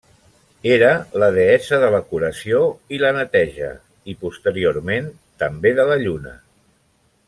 Era la deessa de la curació i la neteja, i posteriorment, també de la lluna.